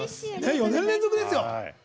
４年連続ですよ。